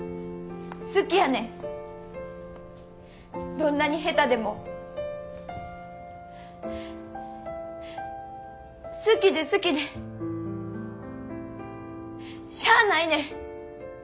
どんなに下手でも好きで好きでしゃあないねん。